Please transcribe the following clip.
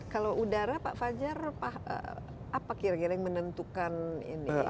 kalau udara pak fajar apa kira kira yang menentukan ini